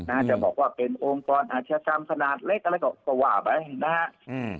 จะบอกว่าเป็นองค์กรอาชกรรมขนาดเล็กอะไรก็ก็ว่าไปนะฮะอืม